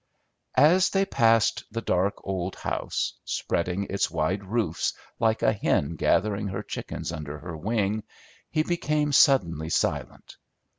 As they passed the dark old house, spreading its wide roofs like a hen gathering her chickens under her wing, he became suddenly silent.